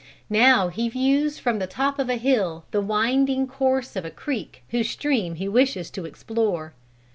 Now he views from the top of a hill the winding course of a creek whose streams he wishes to explore.